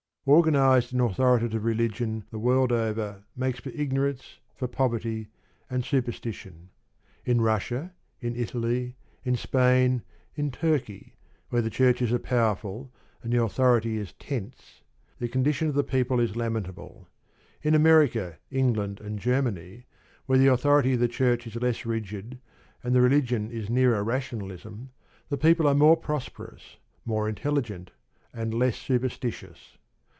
Organised and authoritative religion the world over makes for ignorance, for poverty and superstition. In Russia, in Italy, in Spain, in Turkey, where the Churches are powerful and the authority is tense, the condition of the people is lamentable. In America, England, and Germany, where the authority of the Church is less rigid and the religion is nearer Rationalism, the people are more prosperous, more intelligent, and less superstitious.